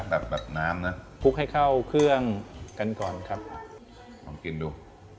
แบบน้ำนะคลุกให้เข้าเครื่องกันก่อนครับลองกินดู